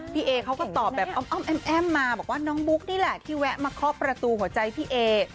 พี่เอเขาก็ตอบแบบอ้อมแอ้มมาบอกว่าน้องบุ๊กนี่แหละที่แวะมาเคาะประตูหัวใจพี่เอ